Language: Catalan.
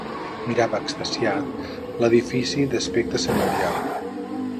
Mirava, extasiat, l'edifici d'aspecte senyorial